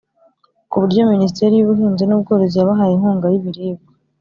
ku buryo Minisiteri y’Ubuhinzi n’ubworozi yabahaye inkunga y’ibiribwa